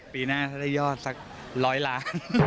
ปีหน้าถ้าได้ยอดสัก๑๐๐ล้าน